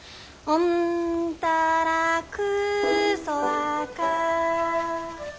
おんたらくそわか。